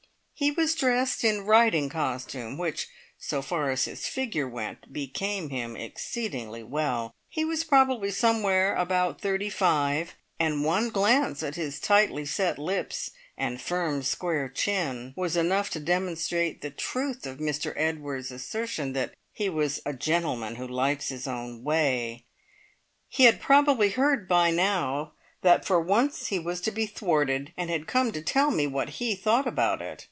He was dressed in riding costume, which, so far as his figure went, became him exceedingly well. He was probably somewhere about thirty five, and one glance at his tightly set lips and firm square chin was enough to demonstrate the truth of Mr Edwards' assertion that he was "a gentleman who likes his own way". He had probably heard by now that for once he was to be thwarted, and had come to tell me what he thought about it.